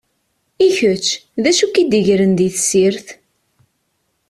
I kečč, d acu i k-id-igren di tessirt?